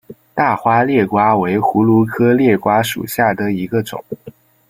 大花裂瓜为葫芦科裂瓜属下的一个种。